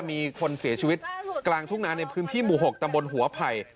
มีคนเสียชีวิตกลางทุ่งนาในพื้นที่หมู่๖ตำบลหัวไผ่